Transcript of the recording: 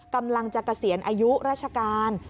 กำลังจะเกษียณอายุราชการ